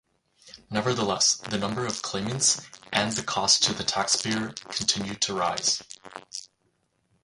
Nevertheless, the number of claimants and the cost to the taxpayer continued to rise.